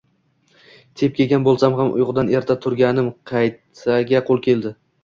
Tepki yegan bo‘lsam ham, uyqudan erta turganim, qaytaga, qo‘l keldi